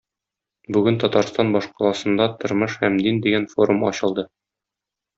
Бүген Татарстан башкаласында "Тормыш һәм дин" дигән форум ачылды.